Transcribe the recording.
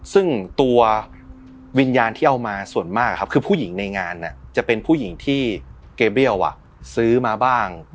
ซึ่งตัววิญญาณที่เอามาส่วนมากครับคือผู้หญิงในงานจะเป็นผู้หญิงที่เกเบี้ยวซื้อมาบ้าง